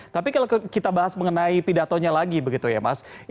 tapi kalau kita bahas mengenai pidatonya lagi begitu ya mas